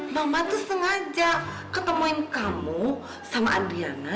mama tuh sengaja ketemuin kamu sama adriana